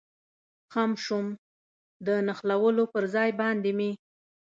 خم شوم، د نښلولو پر ځای باندې مې.